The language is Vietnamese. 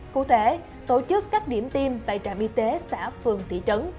cụ thể tổ chức các điểm tiêm tại trạm y tế xã phường thị trấn